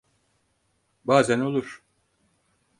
Bazen olur.